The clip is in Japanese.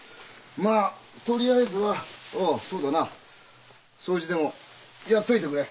まあとりあえずはそうだな掃除でもやっといてくれ。